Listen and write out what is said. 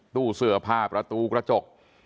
ตู้เสื้อผ้าประตูกระจก